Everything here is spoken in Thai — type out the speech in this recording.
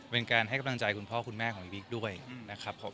เป็นการให้กำลังใจคุณพ่อคุณแม่ของบิ๊กด้วยนะครับผม